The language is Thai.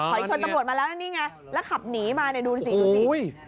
ขอยชนตำรวจมาแล้วนั่นเนี่ยแล้วขับหนีมาดูสิดูสิ